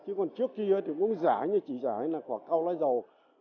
chứ còn trước kia thì cũng giải như chỉ giải là quả cao lái dầu